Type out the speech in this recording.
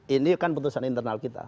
ini kan putusan internal kita